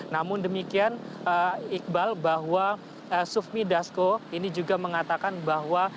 namun demikian iqbal bahwa sufmi dasko ini juga mengatakan bahwa